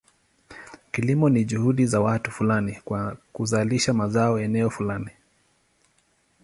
Kilimo ni juhudi za watu fulani kuzalisha mazao eneo fulani.